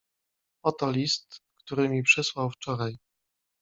"Oto list, który mi przysłał wczoraj."